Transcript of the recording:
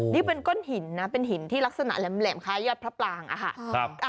นี่เป็นก้อนหินนะเป็นหินที่ลักษณะแหลมคล้ายยอดพระปรางอะค่ะ